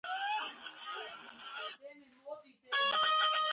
ისინი ხვდებოდნენ, რომ ორგანიზმთა შორის ურთიერთკავშირების დადგენა შესაძლებელი იყო.